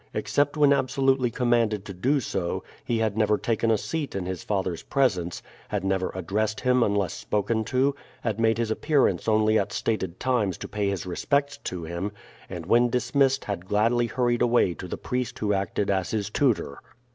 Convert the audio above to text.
Except when absolutely commanded to do so, he had never taken a seat in his father's presence, had never addressed him unless spoken to, had made his appearance only at stated times to pay his respects to him, and when dismissed had gladly hurried away to the priest who acted as his tutor.